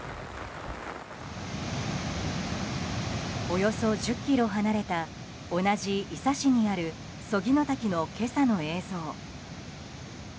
およそ１０ｋｍ離れた同じ伊佐市にある曽木の滝の今朝の映像。